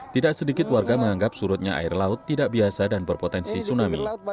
tidak sedikit warga menganggap surutnya air laut tidak biasa dan berpotensi tsunami